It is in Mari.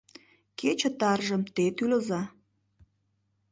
Кече таржым те тӱлыза.